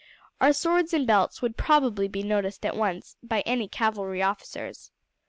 Our swords and belts would probably be noticed at once by any cavalry officers.